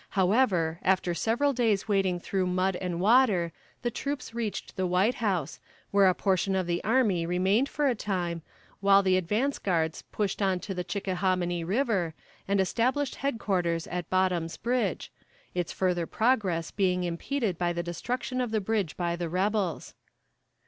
However, after several days wading through mud and water, the troops reached the White House, where a portion of the army remained for a time, while the advance guards pushed on to the Chickahominy River, and established headquarters at Bottom's Bridge its further progress being impeded by the destruction of the bridge by the rebels.